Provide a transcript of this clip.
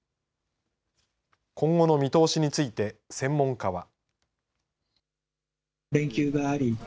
今後の見通しについて専門家は。